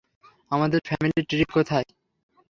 আমাদের family tree কোথায়?